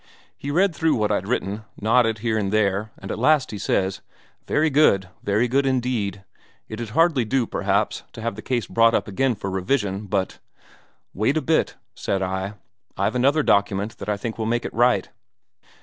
He read through what I'd written, nodded here and there, and at last he says: 'Very good, very good indeed. It'd hardly do, perhaps, to have the case brought up again for revision, but....' 'Wait a bit,' said I. 'I've another document that I think will make it right.'